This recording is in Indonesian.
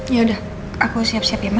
yaudah aku siap siap ya ma